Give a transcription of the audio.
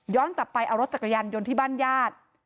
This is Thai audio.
กลับไปเอารถจักรยานยนต์ที่บ้านญาติ